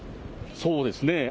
そうですね。